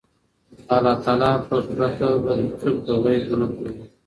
د الله تعالی پرته بل هيڅوک په غيبو نه پوهيږي